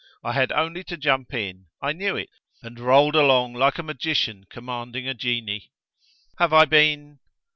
I had only to jump in; I knew it, and rolled along like a magician commanding a genie." "Have I been